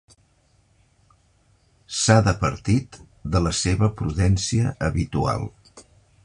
S'ha departit de la seva prudència habitual.